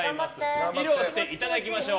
披露していただきましょう。